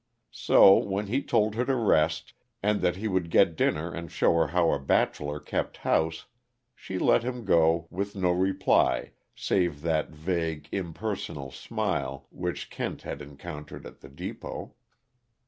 So, when he told her to rest, and that he would get dinner and show her how a bachelor kept house, she let him go with no reply save that vague, impersonal smile which Kent had encountered at the depot.